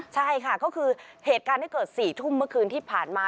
ใช่ค่ะก็คือเหตุการณ์ที่เกิด๔ทุ่มเมื่อคืนที่ผ่านมา